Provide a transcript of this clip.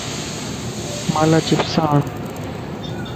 مان لاچپس آڻ